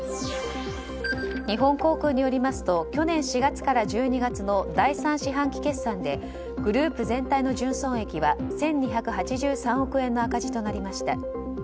日本航空によりますと去年４月から１２月の第３四半期決算でグループ全体の純損益は１２８３億円の赤字となりました。